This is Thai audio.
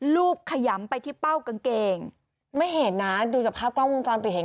ขยำไปที่เป้ากางเกงไม่เห็นนะดูจากภาพกล้องวงจรปิดเห็น